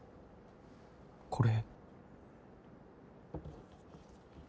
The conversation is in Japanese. これ。